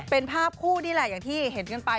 เป็นภาพคู่นี่แหละอย่างที่เห็นกันไป